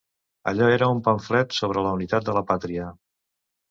Allò era un pamflet sobre la unitat de la pàtria.